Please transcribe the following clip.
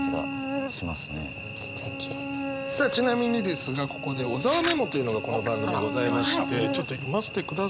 さあちなみにですがここで小沢メモというのがこの番組ございましてちょっと読ませてください。